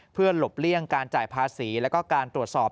เพื่อหลบเลี่ยงการจ่ายภาษีแล้วก็การตรวจสอบ